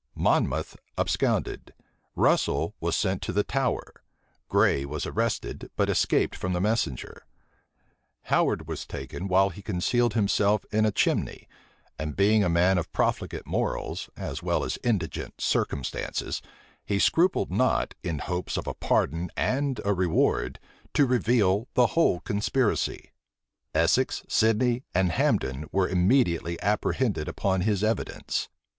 Monmouth absconded: Russel was sent to the Tower: Grey was arrested, but escaped from the messenger: Howard was taken, while he concealed himself in a chimney; and being a man of profligate morals, as well as indigent circumstances, he scrupled not, in hopes of a pardon and a reward, to reveal the whole conspiracy. Essex, Sidney, and Hambden were immediately apprehended upon his evidence.